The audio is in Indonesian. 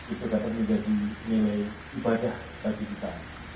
itu dapat menjadi nilai ibadah bagi kita